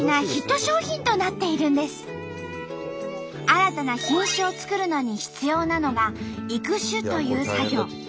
新たな品種を作るのに必要なのが「育種」という作業。